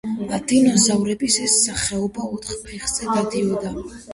დინოზავრების ეს სახეობა ოთხ ფეხზე დადიოდა.